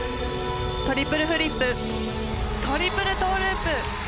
トリプルフリップ、トリプルトーループ。